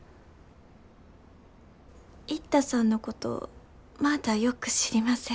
一太さんのことまだよく知りません。